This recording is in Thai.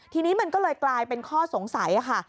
ทีนี้มันก็เลยกลายเป็นข้อสงสัยค่ะ